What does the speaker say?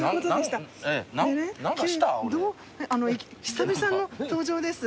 久々の登場です。